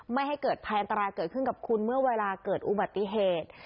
ไม่ให้เกิดภัยอันตรายเกิดขึ้นกับคุณเมื่อเวลาเกิดอุบัติเหตุ